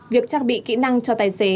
việc trang bị kỹ năng cho tài xế